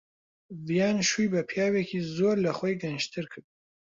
ڤیان شووی بە پیاوێکی زۆر لە خۆی گەنجتر کرد.